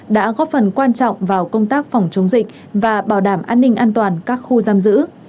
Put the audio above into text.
đã góp phần quan trọng vào công tác phòng chống dịch và bảo đảm an ninh an toàn các khu giam giữ